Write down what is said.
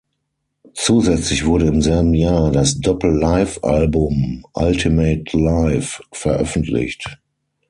Zusätzlich wurde im selben Jahr das Doppel-Live-Album „Ultimate Live“ veröffentlicht.